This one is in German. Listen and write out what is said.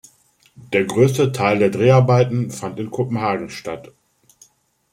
Der größte Teil der Dreharbeiten fand in Kopenhagen statt.